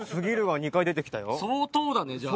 相当だねじゃあ。